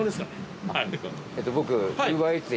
えっと僕。